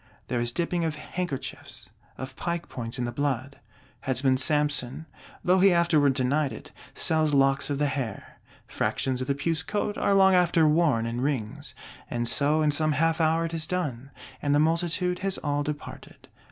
There is dipping of handkerchiefs, of pike points in the blood. Headsman Samson, though he afterward denied it, sells locks of the hair: fractions of the puce coat are long after worn in rings. And so, in some half hour it is done; and the multitude has all departed.